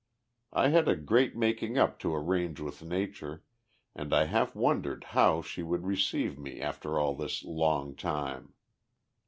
I had a great making up to arrange with Nature, and I half wondered how she would receive me after all this long time.